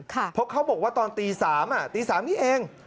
เพราะเขาบอกว่าตอนตี๓ตี๓นี้เอง